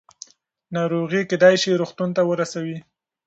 ناروغي کېدای شي روغتون ته ورسوي.